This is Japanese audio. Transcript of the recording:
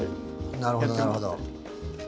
なるほどなるほど。